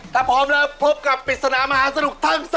ถ้าพร้อมแล้วพบกับปริศนามหาดสนุกทั้ง๓ท่านเลยครับ